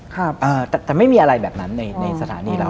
แต่ไม่มีอะไรแบบนั้นในในสถานีเรา